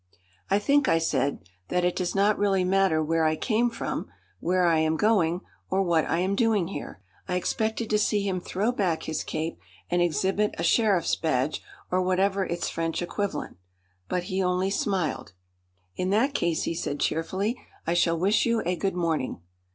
"I think," I said, "that it does not really matter where I came from, where I am going, or what I am doing here." I expected to see him throw back his cape and exhibit a sheriff's badge, or whatever its French equivalent. But he only smiled. "In that case," he said cheerfully, "I shall wish you a good morning."